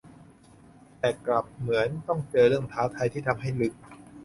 แต่กลับเหมือนต้องเจอเรื่องท้าทายที่ทำให้ลึก